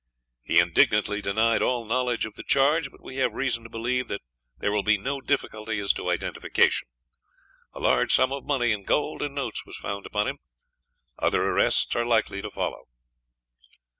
He indignantly denied all knowledge of the charge; but we have reason to believe that there will be no difficulty as to identification. A large sum of money in gold and notes was found upon him. Other arrests are likely to follow.